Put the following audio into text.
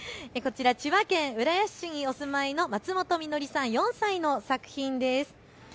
千葉県浦安市にお住まいのまつもとみのりさん、４歳の作品です。